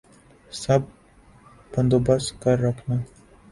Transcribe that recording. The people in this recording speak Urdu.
سب بندوبست کر رکھنا